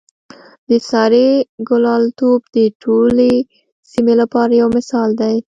د سارې ګلالتوب د ټولې سیمې لپاره یو مثال دی.